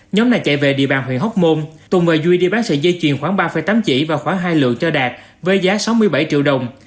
nhóm này chạy về địa bàn huyện hóc môn tùng và duy đi bán sợi dây chuyền khoảng ba tám chỉ và khoảng hai lượng cho đạt với giá sáu mươi bảy triệu đồng